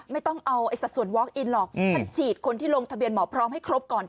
ไม่ต้องเอาสัดส่วนวอคอินหรอกถ้าฉีดคนที่ลงทะเบียนหมอพร้อมให้ครบก่อนเ